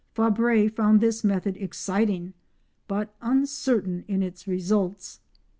Fabre found this method exciting, but uncertain in its results.